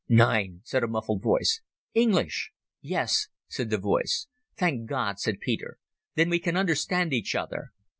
"Nein," said a muffled voice. "English?" "Yes," said the voice. "Thank God," said Peter. "Then we can understand each other.